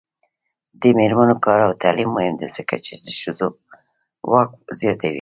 د میرمنو کار او تعلیم مهم دی ځکه چې ښځو واک زیاتوي.